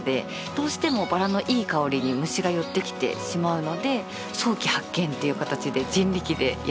どうしてもバラのいい香りに虫が寄ってきてしまうので早期発見っていう形で人力でやっているところです。